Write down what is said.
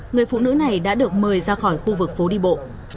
người phụ nữ này đã được mời ra khỏi khu vực phố đi bộ